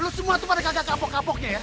lo semua tuh pada kagak kapok kapoknya ya